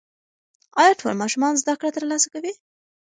ایا ټول ماشومان زده کړه ترلاسه کوي؟